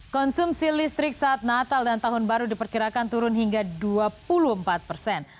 konsumsi listrik saat natal dan tahun baru diperkirakan turun hingga dua puluh empat persen